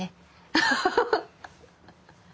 アッハハハ。